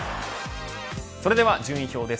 それでは順位表です。